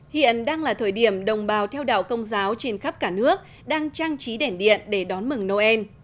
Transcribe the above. hiện đang là thời điểm đồng bào theo đạo công giáo trên khắp cả nước đang trang trí đèn điện để đón mừng noel